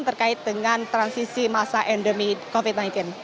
terkait dengan transisi masa endemi covid sembilan belas